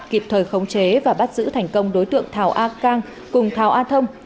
kịp thời khống chế và bắt giữ thành công đối tượng thảo a cang cùng thảo a thông